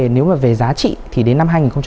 nếu mà về giá trị thì đến năm hai nghìn hai mươi